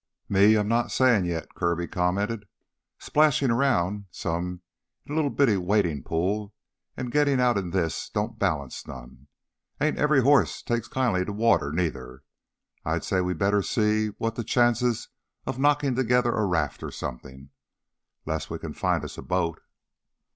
"Me, I'm not sayin' yet," Kirby commented. "Splashin' 'round some in a little bitty wadin' pool, an' gittin' out in this, don't balance none. Ain't every hoss takes kindly to water, neither. I'd say we'd better see what's the chances of knockin' together a raft or somethin'. 'Less we can find us a boat."